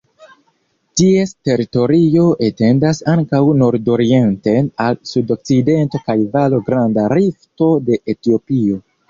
Ties teritorio etendas ankaŭ nordorienten al sudokcidento kaj valo Granda Rifto de Etiopio.